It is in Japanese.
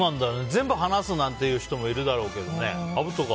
全部話すなんていう人もいるだろうけどね。